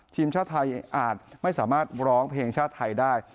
ทีมชาติไทยอาจไม่สามารถร้องเพลงชาติไทยได้